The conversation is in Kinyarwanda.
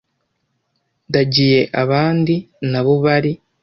ndagiye Abandi na bo bari